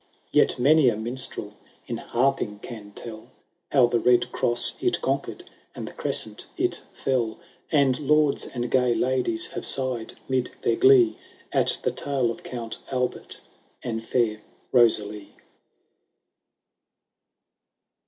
Yet many a minstrel, in harping, can tell, How the Red cross it conquered, the Crescent it fell ; And lords and gay ladies have sighed, 'mid their glee, At the tale of Count Albert and fair Rosalie.